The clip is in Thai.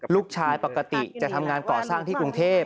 ลูกชายปกติจะทำงานก่อสร้างที่กรุงเทพ